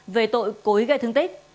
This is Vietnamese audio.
về tội cối gây thương tích